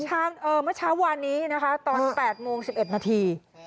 ก้าวนัดโอ้โหเออเมื่อเช้าวันนี้นะคะตอน๘โมง๑๑นาที